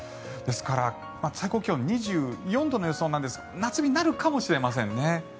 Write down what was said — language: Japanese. ですから最高気温２４度の予想なんですが夏日になるかもしれませんね。